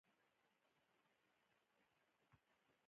ټولنیز عدالت په رامنځته کولو تمرکز کیږي.